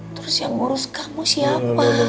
terus yang ngurus kamu siapa